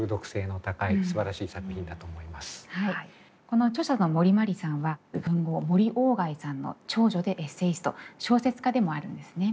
この著者の森茉莉さんは文豪森外さんの長女でエッセイスト小説家でもあるんですね。